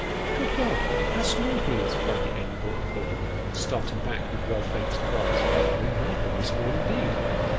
" Good God, how small he is !" cried the amiable uncle, starting back with well feigned surprise ;" remarkably small indeed."